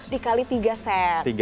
dikali tiga set